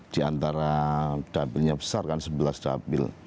di antara dapilnya besar kan sebelas dapil